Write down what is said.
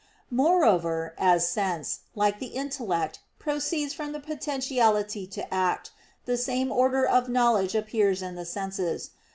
Moreover, as sense, like the intellect, proceeds from potentiality to act, the same order of knowledge appears in the senses.